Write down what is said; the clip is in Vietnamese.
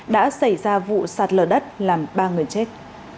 đã xảy ra vụ sạt lở đất làm ba người chết